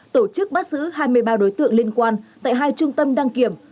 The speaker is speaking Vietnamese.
tổ chức bắt giữ hai mươi ba đối tượng liên quan tại hai trung tâm đăng kiểm